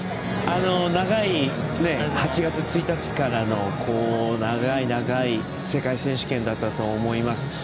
８月１日からの長い長い世界選手権だったと思います。